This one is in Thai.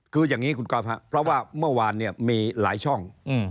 คืออย่างนี้คุณก๊อฟครับเพราะว่าเมื่อวานเนี่ยมีหลายช่อง